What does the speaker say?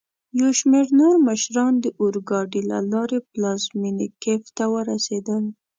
یوشمیرنورمشران داورګاډي له لاري پلازمېني کېف ته ورسېدل.